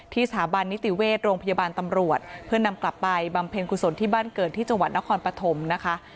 สถาบันนิติเวชโรงพยาบาลตำรวจเพื่อนำกลับไปบำเพ็ญกุศลที่บ้านเกิดที่จังหวัดนครปฐมนะคะ